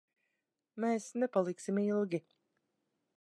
Mēs nepaliksim ilgi.